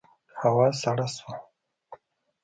هوا سړه شوه.